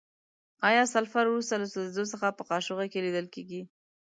آیا سلفر وروسته له سوځیدو څخه په قاشوغه کې لیدل کیږي؟